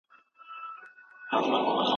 استاد د مشر په څېر مشوري ورکوي.